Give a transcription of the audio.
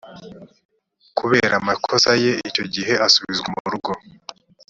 kubera amakosa ye icyo gihe asubizwa mu rugo